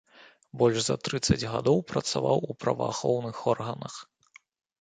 Больш за трыццаць гадоў працаваў у праваахоўных органах.